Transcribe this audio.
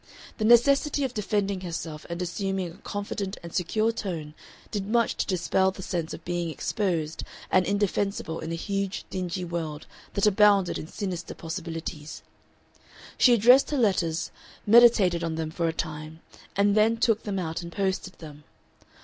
The necessity of defending herself and assuming a confident and secure tone did much to dispell the sense of being exposed and indefensible in a huge dingy world that abounded in sinister possibilities. She addressed her letters, meditated on them for a time, and then took them out and posted them.